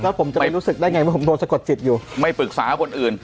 แล้วผมจะไปรู้สึกได้ไงว่าผมโดนสะกดจิตอยู่ไม่ปรึกษาคนอื่น